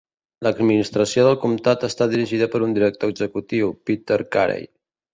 L'administració del comtat està dirigida per un director executiu, Peter Carey.